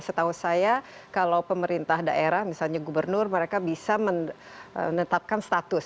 setahu saya kalau pemerintah daerah misalnya gubernur mereka bisa menetapkan status